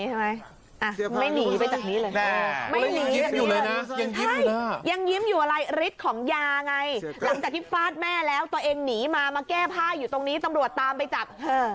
หังล่ะแก้ที่จ้างตัดไปตรงนี้ตำรวจตามไปจับ